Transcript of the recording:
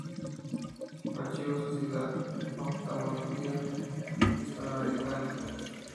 Archivo Sociedad Oftalmológica Hispanoamericana.